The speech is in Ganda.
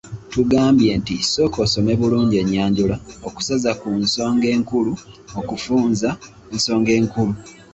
Tugambye nti sooka osome bulungi ennyanjula, okusaza ku nsonga enkulu, okufunza ensonga enkulu.